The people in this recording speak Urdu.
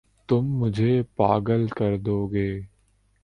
تم مجھے پاگل کر دو گے